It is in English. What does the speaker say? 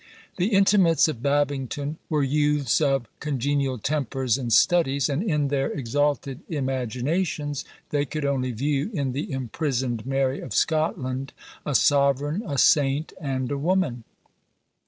The intimates of Babington were youths of congenial tempers and studies; and, in their exalted imaginations, they could only view in the imprisoned Mary of Scotland a sovereign, a saint, and a woman.